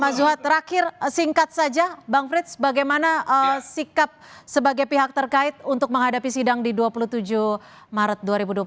mas zuhad terakhir singkat saja bang frits bagaimana sikap sebagai pihak terkait untuk menghadapi sidang di dua puluh tujuh maret dua ribu dua puluh